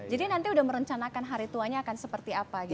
jadi nanti udah merencanakan hari tuanya akan seperti apa gitu